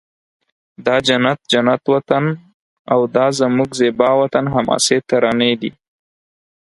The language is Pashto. دا جنت جنت وطن او دا زموږ زیبا وطن حماسې ترانې دي